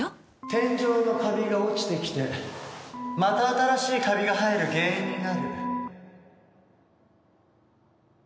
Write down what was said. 天井のカビが落ちてきてまた新しいカビが生える原因になる。